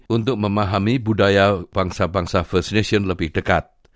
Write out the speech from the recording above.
untuk memahami budaya bangsa bangsa first nation lebih dekat